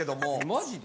マジで？